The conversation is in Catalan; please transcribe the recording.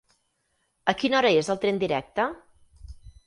A quina hora és el tren directe?